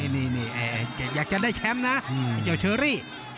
นี่อยากจะได้แชมป์นะไอ้เจ้าเชอรี่